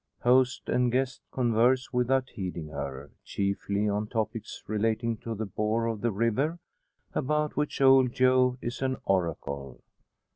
Host and guest converse without heeding her, chiefly on topics relating to the bore of the river, about which old Joe is an oracle.